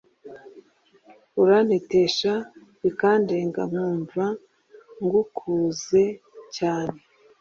Urantetesha bikandenga nkumva ngukuze cyane